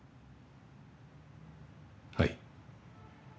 はい。